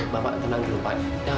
bapak tenang dulu pak